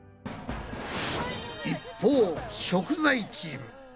一方食材チーム。